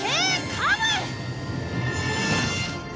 カブ！